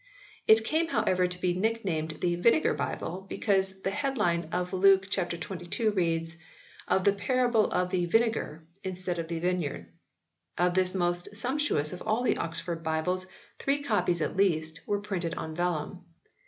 It came however to be nicknamed the Vinegar Bible, because the headline of Luke xxii. reads " the parable of the Vinegar" instead of the Vineyard. Of this most sumptuous of all the Oxford Bibles three copies at least were printed on vellum.